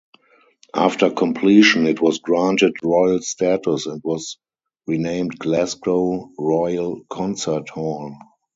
After completion, it was granted Royal Status and was renamed Glasgow Royal Concert Hall.